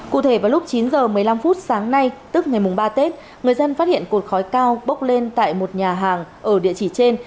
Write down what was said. cụ thể vào lúc chín h một mươi năm phút sáng nay tức ngày ba tết người dân phát hiện cột khói cao bốc lên tại một nhà hàng ở địa chỉ trên